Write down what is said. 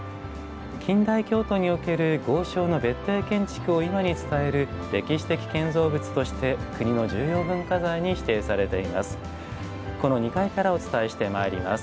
近代京都における豪商の別邸建築を今に伝える歴史的建造物として国の重要文化財に指定されています。